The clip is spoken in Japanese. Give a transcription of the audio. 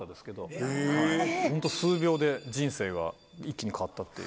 ホント数秒で人生が一気に変わったっていう。